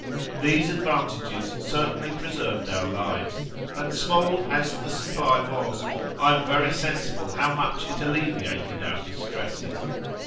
These advantages certainly preserved our lives; and small as the supply was, I am very sensible how much it alleviated our distresses.